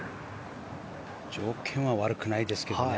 条件は悪くないですけどね。